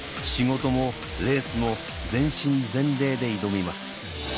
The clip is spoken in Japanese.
仕事もレースも全身全霊で挑みます